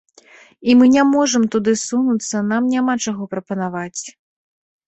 І мы не можам туды сунуцца, нам няма чаго прапанаваць.